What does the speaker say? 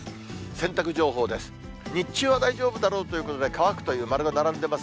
洗濯情報です。